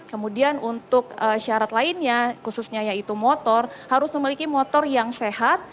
kemudian untuk syarat lainnya khususnya yaitu motor harus memiliki motor yang sehat